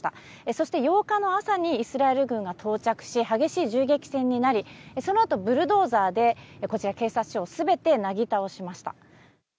そして、８日の朝にイスラエル軍が到着し激しい銃撃戦になりそのあとブルドーザーで警察署を全てなぎ倒しました。